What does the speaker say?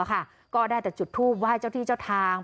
ก็ได้แต่จุดทูปไหว้เจ้าที่เจ้าทาง